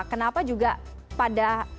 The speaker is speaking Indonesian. kenapa juga pada